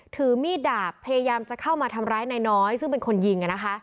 ถือมีดดาบพยายามจะเข้ามาทำร้ายนายน้อยซึ่งเป็นคนยิง